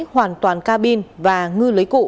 hoàn toàn ca bin và ngư lấy cụ